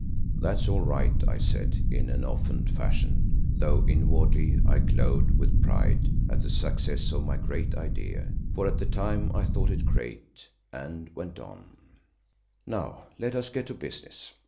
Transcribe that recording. "That's all right," I said in an offhand fashion, though inwardly I glowed with pride at the success of my great idea, for at the time I thought it great, and went on, "Now let us get to business.